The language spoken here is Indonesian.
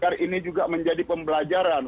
karena ini juga menjadi pembelajaran